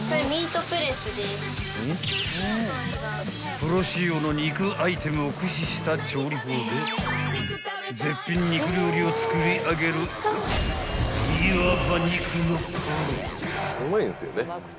［プロ仕様の肉アイテムを駆使した調理法で絶品肉料理を作り上げるいわば］